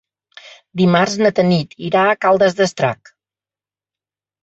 Dimarts na Tanit irà a Caldes d'Estrac.